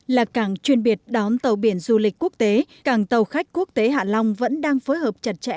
là cảng chuyên biệt đón tàu biển du lịch quốc tế cảng tàu khách quốc tế hạ long vẫn đang phối hợp chặt chẽ